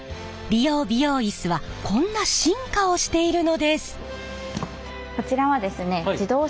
理容・美容イスはこんな進化をしているのです。